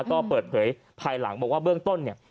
ก็เปิดเผยภายหลังบอกว่าเบื้องต้นเนี่ย